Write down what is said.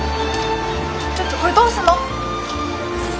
ちょっとこれどうすんの！